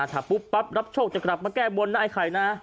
ถ้าปุ๊บปั๊บรับโชคจะกลับมาแก้บนนะไอ้ไข่นะ